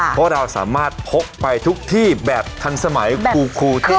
เพราะเราสามารถพกไปทุกที่แบบทันสมัยครูที่